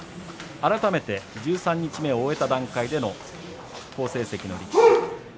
改めて十三日目を終えた段階での好成績の力士。